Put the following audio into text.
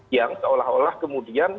yang seolah olah kemudian